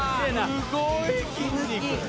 すごいな。